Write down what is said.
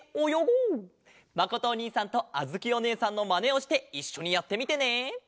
まことおにいさんとあづきおねえさんのまねをしていっしょにやってみてね！